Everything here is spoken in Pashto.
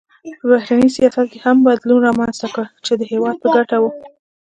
په بهرني سیاست کې هم بدلون رامنځته کړ چې د هېواد په ګټه و.